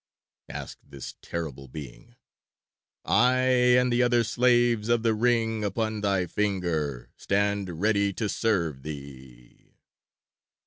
asked this terrible being. "I and the other slaves of the ring upon thy finger stand ready to serve thee."